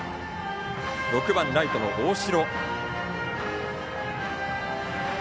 ６番、ライトの大城。